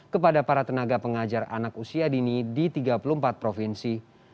kepada para tenaga pengajar anak usia dini di tiga puluh empat provinsi